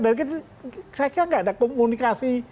saya tidak ada komunikasi